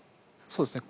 そうですね。